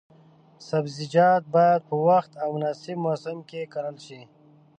سبزیجات باید په وخت او د مناسب موسم کې کرل شي.